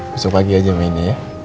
besok pagi aja mainnya